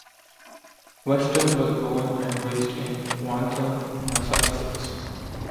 Weston was born and raised in Waltham, Massachusetts.